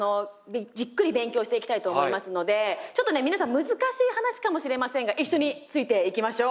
じっくり勉強していきたいと思いますのでちょっとね皆さん難しい話かもしれませんが一緒についていきましょう。